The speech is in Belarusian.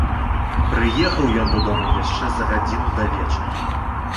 Прыехаў ён дадому яшчэ за гадзіну да вечара.